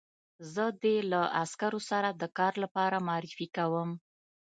زه دې له عسکرو سره د کار لپاره معرفي کوم